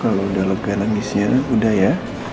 kalau udah lega lah misalnya udah ya